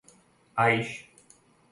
Aix